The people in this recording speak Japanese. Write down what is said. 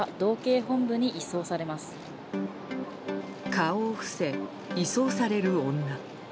顔を伏せ、移送される女。